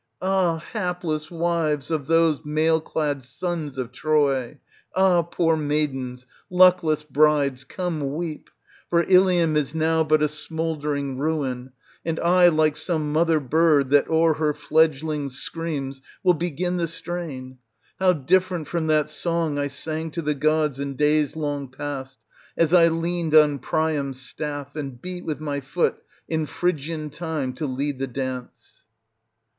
Ah! hapless wives of those mail clad sons of Troy! Ah! poor maidens, luckless brides, come weep, for Ilium is now but a smouldering ruin; and I, like some mother bird that o'er her fledgelings screams, will begin the strain; how different from that song I sang to the gods in days long past, as I leaned on Priam's staff, and beat with my foot in Phrygian time to lead the dance